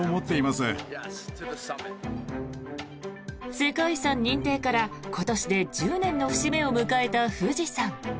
世界遺産認定から、今年で１０年の節目を迎えた富士山。